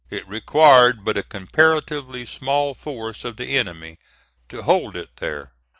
It required but a comparatively small force of the enemy to hold it there.